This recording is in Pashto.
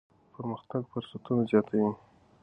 پرمختګ فرصتونه زیاتوي.